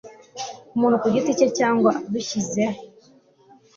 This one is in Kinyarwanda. umuntu kugiti cye cyangwa abishyize l